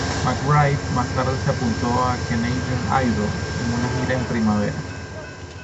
McBride más tarde se apuntó a "Canadian Idol" en una gira en primavera.